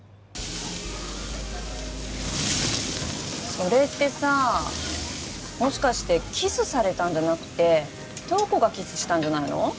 それってさもしかしてキスされたんじゃなくて瞳子がキスしたんじゃないの？